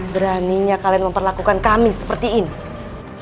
beraninya kalian memperlakukan kami seperti ini